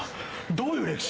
どういう歴史？